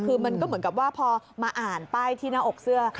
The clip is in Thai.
คือมันก็เหมือนกับว่าพอมาอ่านป้ายที่หน้าอกเสื้อ